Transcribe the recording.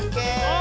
あ！